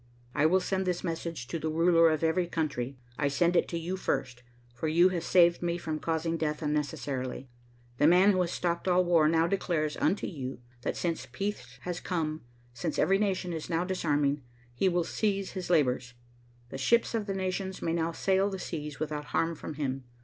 "I will send this message to the ruler of every country. I send it to you first, for you have saved me from causing death unnecessarily. 'The man who has stopped all war now declares unto you that since peace has come, since every nation is now disarming, he will cease his labors. The ships of the nations may now sail the seas without harm from him.